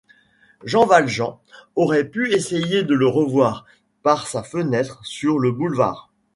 Jean Valjean aurait pu essayer de le revoir par sa fenêtre sur le boulevard.